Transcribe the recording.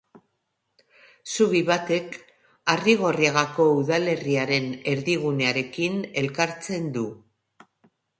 Zubi batek Arrigorriagako udalerriaren erdigunearekin elkartzen du.